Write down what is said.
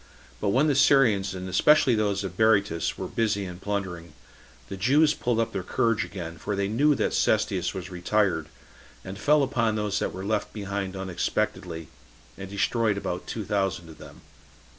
But when the Syrians, and especially those of Berytus, were busy in plundering, the Jews pulled up their courage again, for they knew that Cestius was retired, and fell upon those that were left behind unexpectedly, and destroyed about two thousand of them.